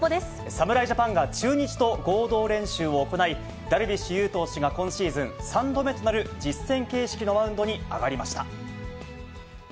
侍ジャパンが中日と合同練習を行い、ダルビッシュ有投手が、今シーズン３度目となる実戦形式のマウンドに上がりました。